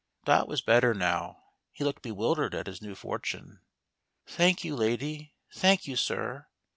Dot was better now. He looked bewildered at his new fortune. " Thank you, lady. Thank you, sir.